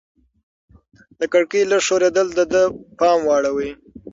د کړکۍ لږ ښورېدل د ده پام واړاوه.